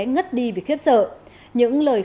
ngất đi vì khiếp sợ những lời